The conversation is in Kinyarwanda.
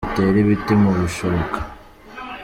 Dutere ibiti mubishoboka.